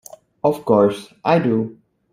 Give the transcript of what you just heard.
Of course I do!